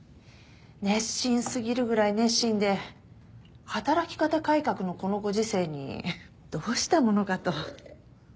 熱心すぎるぐらい熱心で働き方改革のこのご時世にどうしたものかと。